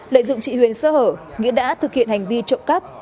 lợi dụng chị huyền sơ hở nghĩa đã thực hiện hành vi trộm cắp